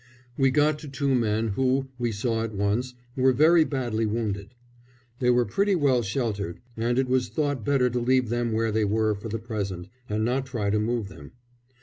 We got to two men who, we saw at once, were very badly wounded. They were pretty well sheltered, and it was thought better to leave them where they were for the present, and not try to move them.